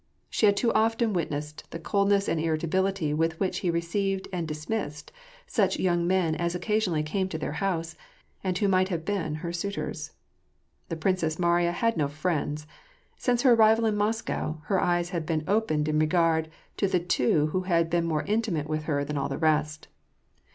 She had too often witnessed the coldness and irritability with which he received and dismissed such young men as occasion ally came to their house, and who might have been her suitors. The Princess Mariya had no friends :• since her arrival in Moscow, her eyes had been opened in regard to the two who had been more intimate with her than all the rest.